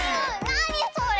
なにそれ？